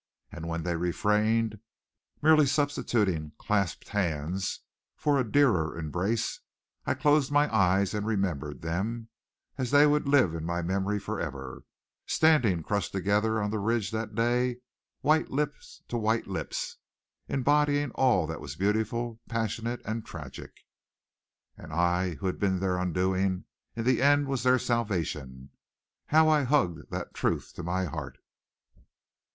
And when they refrained, merely substituting clasped hands for a dearer embrace, I closed my eyes and remembered them, as they would live in my memory forever, standing crushed together on the ridge that day, white lips to white lips, embodying all that was beautiful, passionate and tragic. And I, who had been their undoing, in the end was their salvation. How I hugged that truth to my heart!